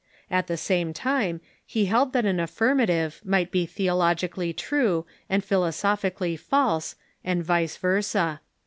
At the same time, he held that an affirmative might be theologically true and philosophically false, and vice versa.